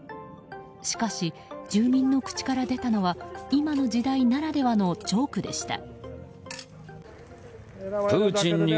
しかし住民の口から出たのは今の時代ならではのジョークでした。